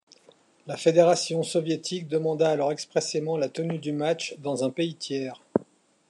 La fédération soviétique demanda alors expressément la tenue du match dans un pays tiers.